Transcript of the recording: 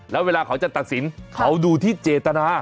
แล้วเวลาเขาจะตัดสินเขาดูที่เจตนา